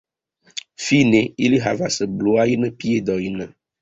Fine ili havas bluajn piedojn.